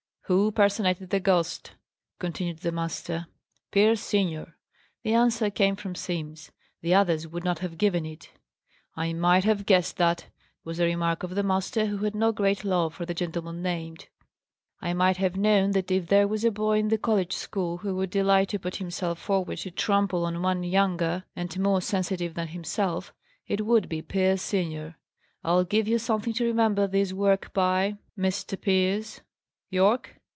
"Who personated the ghost?" continued the master. "Pierce senior." The answer came from Simms. The others would not have given it. "I might have guessed that," was the remark of the master, who had no great love for the gentleman named. "I might have known that if there was a boy in the college school who would delight to put himself forward to trample on one younger and more sensitive than himself, it would be Pierce senior. I'll give you something to remember this work by, Mr. Pierce. Yorke!"